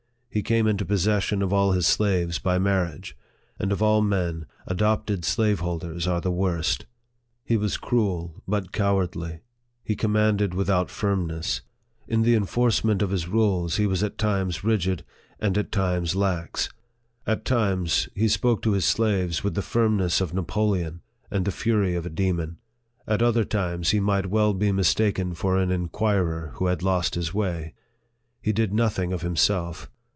He came into possession of all his slaves by marriage ; and of all men, adopted slaveholders are the worst. He was cruel, but cowardly. He commanded without firmness. In the enforcement of LIFE OF FREDERICK DOUGLASS. 53 his rules, he was at times rigid, and at times lax. At times, he spoke to his slaves with the firmness of Na poleon and the fury of a demon ; at other times, he might well be mistaken for an inquirer who had lost his way. He did nothing of himself.